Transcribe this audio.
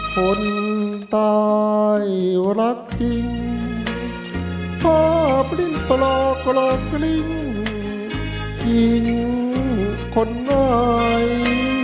คนตายรักจริงกลอบกลิ้นกลอบก่อนกลิ้นยิ้นคนร้าย